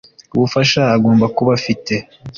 ubufasha agomba kuba afite